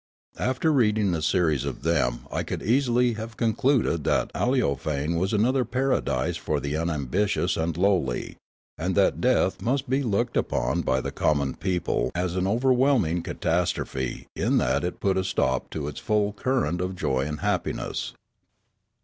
After reading a series of them I could easily have concluded that Aleofane was another paradise for the unambitious and lowly, and that death must be looked upon by the common people as an overwhelming 112 Riallaro catastrophe in that it put a stop to this full current of joy and happiness.